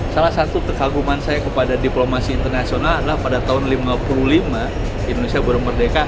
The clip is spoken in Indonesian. salah satu kekaguman saya kepada diplomasi internasional adalah pada tahun seribu sembilan ratus lima puluh lima indonesia baru merdeka